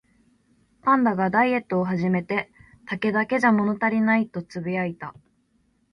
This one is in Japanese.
パンダがダイエットを始めて、「竹だけじゃ物足りない」とつぶやいた